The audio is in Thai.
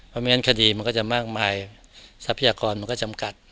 เพราะฉะนั้นคดีมันก็จะมากมายทรัพยากรมันก็จำกัด